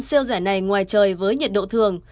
xeo rẻ này ngoài trời với nhiệt độ thường